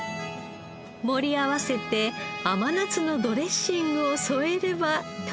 盛り合わせて甘夏のドレッシングを添えれば完成。